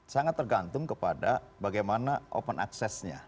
sangat tergantung kepada bagaimana open access nya